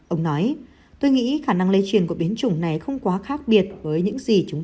ông nói tôi nghĩ khả năng lây truyền của biến chủng này không quá khác biệt với những gì chúng